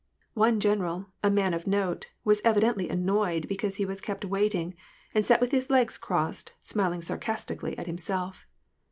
One general, a man of note, was evidently annoyed because he was kept waiting, and sat with his legs crossed, smiling sarcastically at himself.